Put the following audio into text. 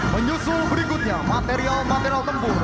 menyusul berikutnya material material tempuh